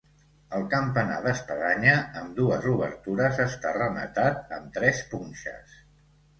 El campanar d'espadanya, amb dues obertures, està rematat amb tres punxes.